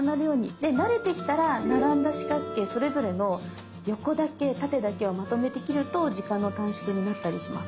で慣れてきたら並んだ四角形それぞれの横だけ縦だけをまとめて切ると時間の短縮になったりします。